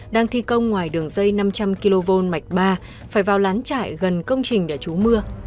đang thi công ngoài đường dây năm trăm linh kv mạch ba phải vào lán trại gần công trình đã trú mưa